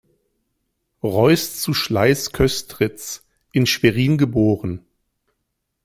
Reuß zu Schleiz-Köstritz, in Schwerin geboren.